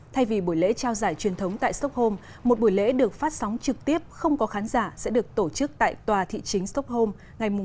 thay vì buổi lễ trao giải truyền thống tại stockholm một buổi lễ được phát sóng trực tiếp không có khán giả sẽ được tổ chức tại tòa thị chính stockholm ngày một mươi tháng một mươi hai